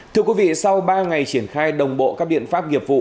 thưa quý vị sau ba ngày triển khai đồng bộ các biện pháp nghiệp vụ